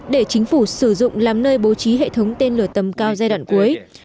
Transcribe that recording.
để chính phủ sử dụng làm nơi bố trí hệ thống tên lửa tầm cao giai đoạn cuối